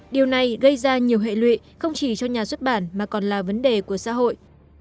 điều này gây ra nhiều hệ lụy không chỉ cho nhà xuất bản mà còn là vấn đề của xã hội